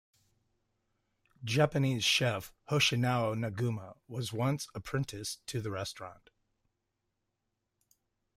Japanese chef Hoshinao Naguma was once apprenticed to the restaurant.